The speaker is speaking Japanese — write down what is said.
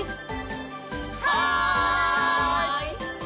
はい！